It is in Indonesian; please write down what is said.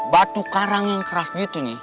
batu karang yang keras gitu nih